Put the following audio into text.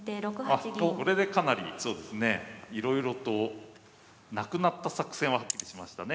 あっこれでかなりいろいろとなくなった作戦ははっきりしましたね。